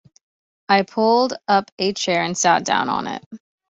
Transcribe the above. I pulled up a chair and sat down on it.